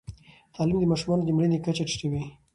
تعلیم د ماشومانو د مړینې کچه ټیټوي.